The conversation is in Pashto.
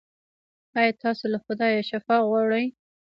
ایا تاسو له خدایه شفا غواړئ؟